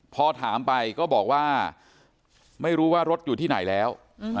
พอถามไปก็บอกว่าไม่รู้ว่ารถอยู่ที่ไหนแล้ว